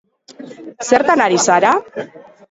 Zertan ari zara?